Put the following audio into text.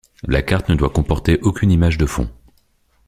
La carte ne doit comporter aucune image de fond.